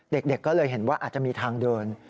เด็กก็เลยเห็นว่าอาจจะมีทางเดิน